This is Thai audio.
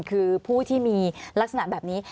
คือผู้ที่มีลักษณะแบบนี้